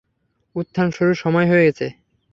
উত্থান শুরুর সময় হয়েছে।